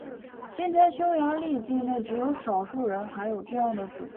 今天匈牙利境内只有少数人还有这样的主张。